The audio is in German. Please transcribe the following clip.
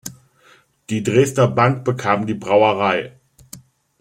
Die Dresdner Bank bekam die Brauerei.